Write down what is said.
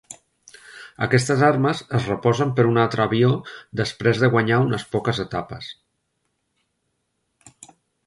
Aquestes armes es reposen per un altre avió després de guanyar unes poques etapes.